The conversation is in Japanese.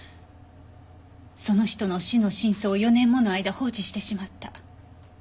その人の死の真相を４年もの間放置してしまった。